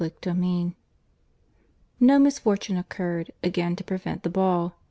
CHAPTER II No misfortune occurred, again to prevent the ball.